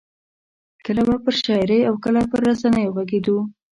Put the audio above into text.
کله به پر شاعرۍ او کله پر رسنیو غږېدو.